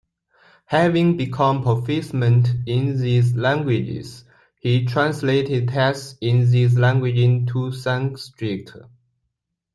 Having become proficient in these languages, he translated texts in these languages into Sanskrit.